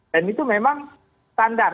dan itu memang standar